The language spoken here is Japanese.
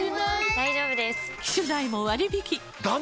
大丈夫です！